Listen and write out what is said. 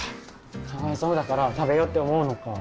かわいそうだから食べようって思うのか。